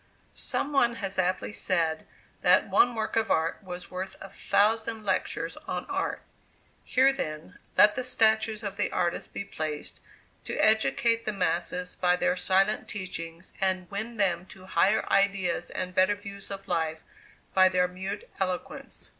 Some one has aptly said, that one work of art was worth a thousand lectures on art. Here, then, let the statues of the artist be placed, to educate the masses by their silent teachings, and win them to higher ideas and better views of life by their mute eloquence.